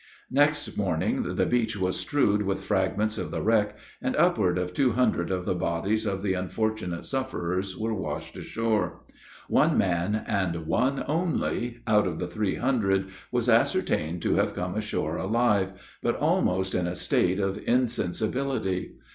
Next morning the beach was strewed with fragments of the wreck, and upward of two hundred of the bodies of the unfortunate sufferers were washed ashore. One man and one only out of the three hundred, was ascertained to have come ashore alive, but almost in a state of insensibility.